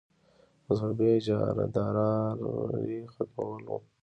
مذهبي اجاراداري ختمول وو.